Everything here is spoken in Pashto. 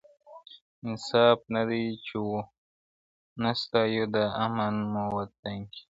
انصاف نه دی چي و نه ستایو دا امن مو وطن کي,